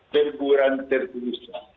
teguran tertulis satu